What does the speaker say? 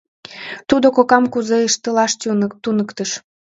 Тудо кокам кузе ыштылаш туныктыш.